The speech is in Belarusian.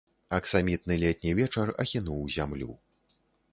Аксамітны летні вечар ахінуў зямлю.